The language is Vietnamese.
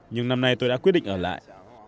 nhưng năm nay tôi đã quyết định ở lại